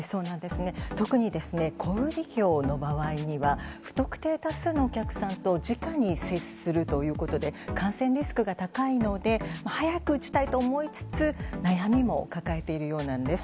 特に小売業の場合には不特定多数のお客さんと直に接するということで感染リスクが高いので早く打ちたいと思いつつ悩みも抱えているようなんです。